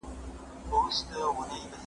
دا نقيب د نور په تلاوت بې هوښه شوی دی